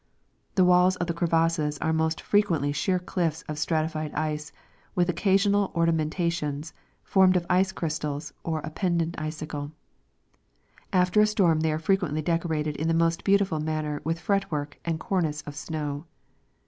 The walls of the crevasses are most fre quently sheer cliffs of stratified ice, with occasional ornamenta tions, formed of ice crystals or a pendent icicle. • After a storm they are frequently decorated in the most beautiful manner with fretwork and cornice of snow.